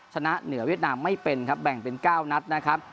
ชนะเหนือเวียดนามไม่เป็นครับแบ่งเป็น๙นัดนะครับ